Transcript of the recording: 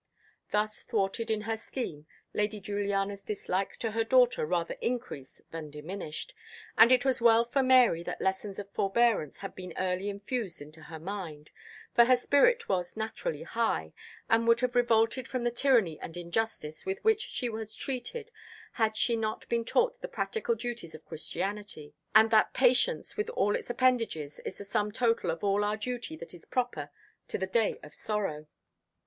Thus thwarted in her scheme, Lady Juliana's dislike to her daughter rather increased than diminished; and it was well for Mary that lessons of forbearance had been early infused into her mind; for her spirit was naturally high, and would have revolted from the tyranny and injustice with which she was treated had she not been taught the practical duties of Christianity, and that "patience, with all its appendages, is the sum total of all our duty that is proper to the day of sorrow."